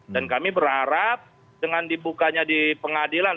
dan kami berharap dengan dibukanya di pengadilan